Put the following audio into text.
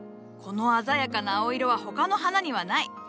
この鮮やかな青色は他の花にはない。